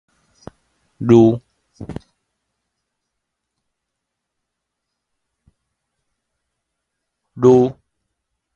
儒